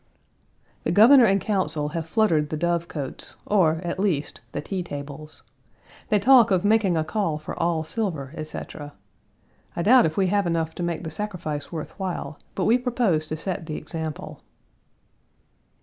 The Governor and Council have fluttered the dove cotes, or, at least, the tea tables. They talk of making a call for all silver, etc. I doubt if we have enough to make the sacrifice worth while, but we propose to set the example.